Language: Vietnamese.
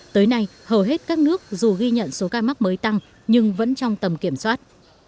tới nay hầu hết các nước dù ghi nhận số ca mắc mới tăng nhưng vẫn trong tầm kiểm soát